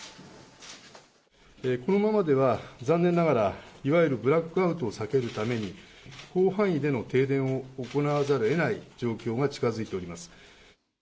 このままでは、残念ながら、いわゆるブラックアウトを避けるために、広範囲での停電を行わざるをえない状況が近づいております。